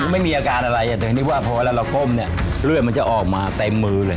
มันไม่มีอาการอะไรแต่ถ้าอีกได้เรากดลงเพราะเราจะก่มให้เลือดจะออกมาเต็มมือเลย